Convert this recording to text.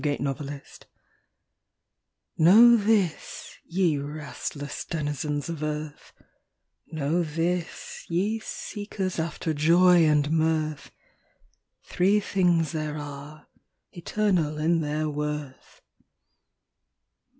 THREE THINGS Know this, ye restless denizens of earth, Know this, ye seekers after joy and mirth, Three things there are, eternal in their worth.